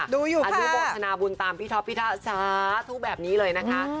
ดูอยู่ค่ะอันดูบริกษณะบุญตามพี่ท็อปพิทธิศาสตร์ทุกแบบนี้เลยนะคะ